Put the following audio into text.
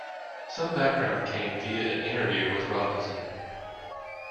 Some background came via an interview with Robinson.